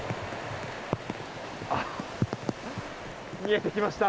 見えてきました！